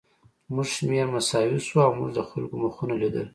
زموږ شمېر مساوي شو او موږ د خلکو مخونه لیدل